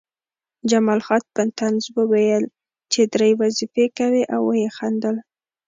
جمال خان په طنز وویل چې درې وظیفې کوې او ویې خندل